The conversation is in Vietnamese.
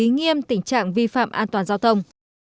nên tình trạng vi phạm an toàn giao thông